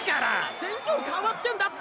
戦況かわってんだって！！